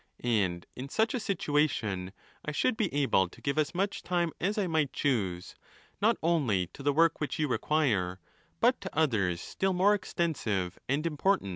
And in such a situation, I should be able to give as much time as I might choose, not only to the work which you require, but to others still more extensive and important.